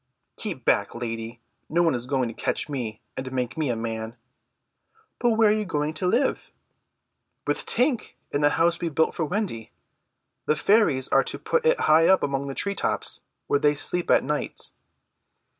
"Keep back, lady, no one is going to catch me and make me a man." "But where are you going to live?" "With Tink in the house we built for Wendy. The fairies are to put it high up among the tree tops where they sleep at nights."